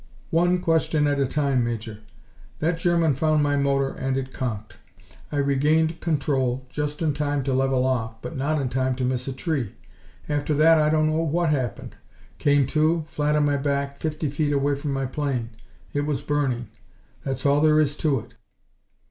"One question at a time, Major. That German found my motor and it conked. I regained control just in time to level off, but not in time to miss a tree. After that I don't know what happened. Came to, flat on my back, fifty feet away from my plane. It was burning. That's all there is to it."